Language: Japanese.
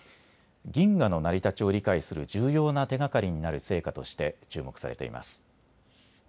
銀河の成り立ちを理解する重要な手がかりになる成果として注目されています。